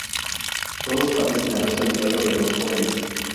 Todos parecen haberse olvidado de los Jóvenes.